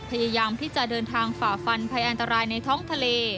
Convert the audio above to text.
พยายามที่จะเดินทางฝ่าฟันภัยอันตรายในท้องทะเล